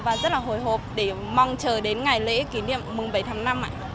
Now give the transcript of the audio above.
và rất là hồi hộp để mong chờ đến ngày lễ kỷ niệm mùng bảy tháng năm